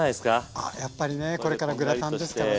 あやっぱりねこれからグラタンですからね。